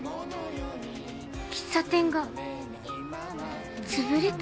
喫茶店が潰れた？